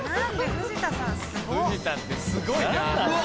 藤田ってすごいな。